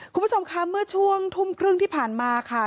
คุณผู้ชมคะเมื่อช่วงทุ่มครึ่งที่ผ่านมาค่ะ